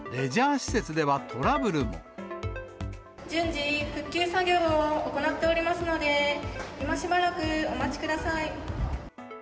順次、復旧作業を行っておりますので、今しばらくお待ちください。